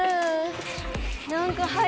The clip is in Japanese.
なんかはいてる。